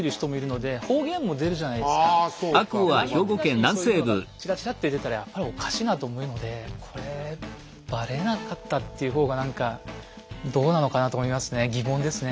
で何の気なしにそういうものがちらちらって出たらやっぱりおかしいなと思うのでこれバレなかったっていう方が何かどうなのかなと思いますね疑問ですね。